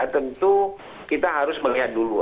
tentu kita harus melihat dulu